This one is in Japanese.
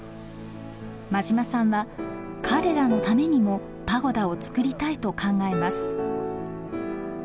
馬島さんは彼らのためにもパゴダをつくりたいと考えます。